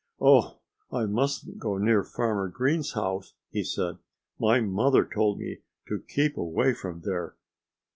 "Oh! I mustn't go near Farmer Green's house!" he said. "My mother told me to keep away from there.